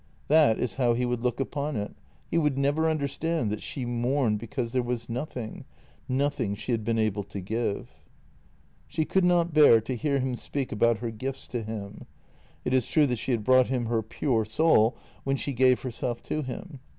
That is how he would look upon it; he would never understand that she mourned because there was nothing — nothing she had been able to give. She could not bear to hear him speak about her gifts to him. It is true that she had brought him her pure soul when she gave herself to him.